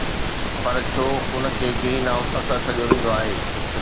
پر ڇو ان کي گرين هائوس اثر سڏيو ويندو آهي؟